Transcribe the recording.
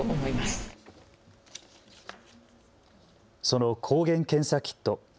その抗原検査キット。